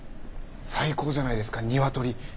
最高じゃないですかニワトリ。